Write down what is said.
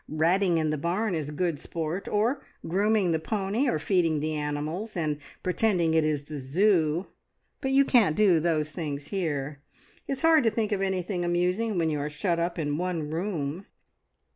Ratting in the barn is good sport, or grooming the pony, or feeding the animals, and pretending it is the Zoo; but you can't do those things here. It's hard to think of anything amusing when you are shut up in one room."